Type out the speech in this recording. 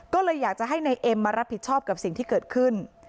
ก็เลยอยากจะให้นายเอ็มมารับผิดชอบกับสิ่งที่เกิดขึ้น